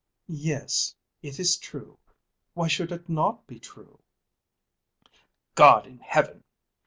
"Yes; it is true. Why should it not be true?" "God in Heaven!